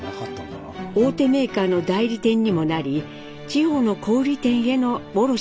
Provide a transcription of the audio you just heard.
大手メーカーの代理店にもなり地方の小売店への卸も始めました。